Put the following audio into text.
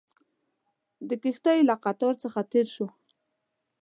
د کښتیو له قطار څخه تېر شوو.